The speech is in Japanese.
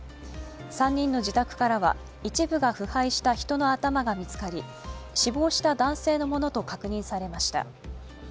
３人の自宅からは、一部が腐敗した人の頭が見つかり死亡した男性のものと確認されました。